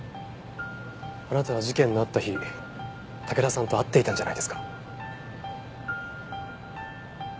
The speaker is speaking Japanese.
あなたは事件のあった日武田さんと会っていたんじゃないですか？